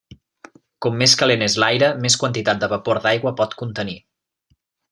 Com més calent és l'aire, més quantitat de vapor d'aigua pot contenir.